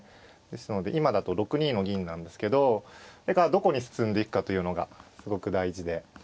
ですので今だと６二の銀なんですけどこれがどこに進んでいくかというのがすごく大事で。